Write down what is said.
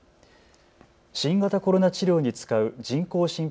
新型コロナ治療に使う人工心肺